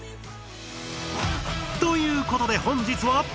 ということで本日は。